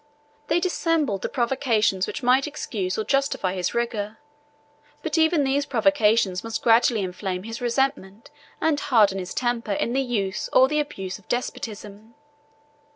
They dissembled the provocations which might excuse or justify his rigor, but even these provocations must gradually inflame his resentment and harden his temper in the use or the abuse of despotism.